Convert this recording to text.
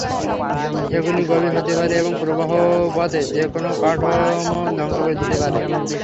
এগুলি গভীর হতে পারে, এবং প্রবাহ পথে যে কোনও কাঠামো ধ্বংস করে দিতে পারে।